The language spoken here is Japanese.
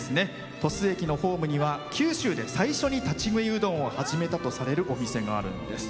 鳥栖駅のホームには九州で最初に立ち食いうどんを始めたとされるお店があるんです。